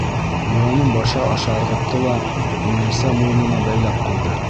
Йүгәнен башы аша ырғытты ла, еңелсә муйынына бәйләп ҡуйҙы.